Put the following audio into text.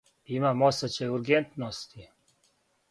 Имамо осећај ургентности.